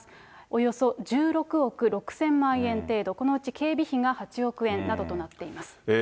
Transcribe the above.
およそ１６億６０００万円程度、このうち警備費が８億円などとなっています。